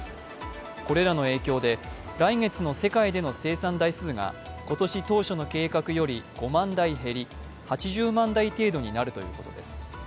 これらの影響で来月の世界での生産台数が今年当初の計画より５万台減り８０万台程度になるということです。